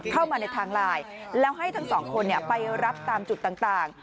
เข้ามาในทางไลน์แล้วให้ทั้งสองคนไปรับตามจุดต่าง